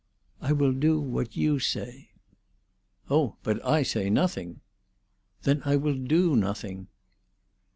"I will do what you say." "Oh, but I say nothing." "Then I will do nothing."